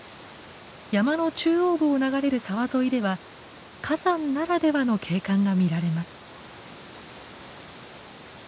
山の中央部を流れる沢沿いでは火山ならではの景観が見られます。